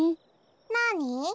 なに？